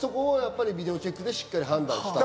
ビデオチェックでしっかり判断したと。